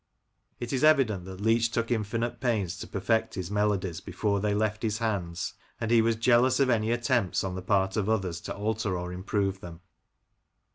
It is evident that Leach took infinite pains to perfect his melodies before they left his hands, and he was jealous of any attempts on the part of others to alter or improve them.